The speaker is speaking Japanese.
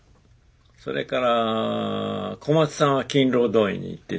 それから小松さんは勤労動員に行ってたし。